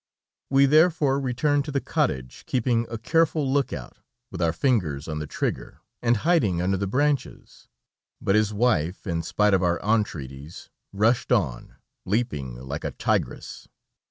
We therefore returned to the cottage, keeping a careful look out, with our fingers on the trigger, and hiding under the branches, but his wife, in spite of our entreaties, rushed on, leaping like a tigress.